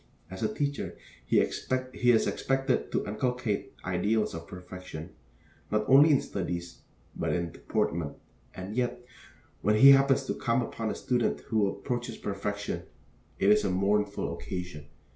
As a teacher, he is expected to inculcate ideals of perfection, not only in studies, but in deportment; and yet, when he happens to come upon a student who approaches perfection, it is a mournful occasion.